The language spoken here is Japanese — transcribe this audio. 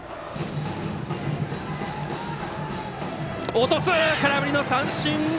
落とす、空振り三振。